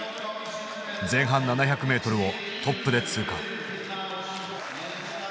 前半７００ｍをトップで通過。